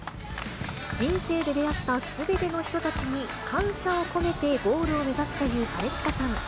人生で出会ったすべての人たちに感謝を込めて、ゴールを目指すという兼近さん。